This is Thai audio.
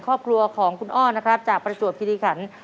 ครอบครัวของคุณอ้อนะครับจากประจวบคิริขัน